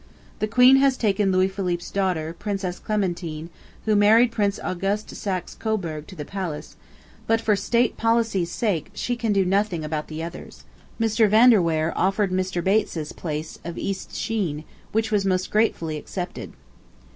The Queen has taken Louis Philippe's daughter, Princess Clementine, who married Prince Auguste de Saxe Coburg to the Palace, but for State Policy's sake she can do nothing about the others. Mr. Van de Weyer offered Mr. Bates's place of East Sheen, which was most gratefully accepted.